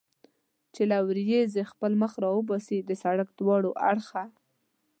چې له ورېځې خپل مخ را وباسي، د سړک دواړه اړخه.